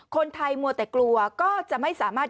คนไทยมัวแต่กลัวก็จะไม่สามารถ